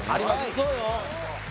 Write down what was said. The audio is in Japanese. そうよ